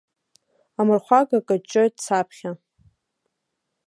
Амырхәага каҷҷоит саԥхьа.